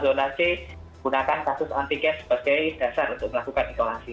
jadi kita harus menggunakan kasus antikas sebagai dasar untuk melakukan isolasi